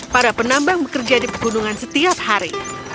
para penambang bekerja di pegunungan setiap hari